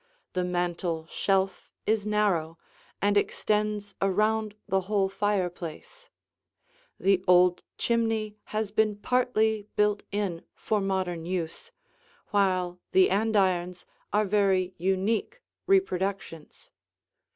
The mantel shelf is narrow and extends around the whole fireplace; the old chimney has been partly built in for modern use, while the andirons are very unique reproductions.